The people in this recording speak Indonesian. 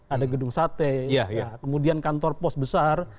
ada gedung sate kemudian kantor pos besar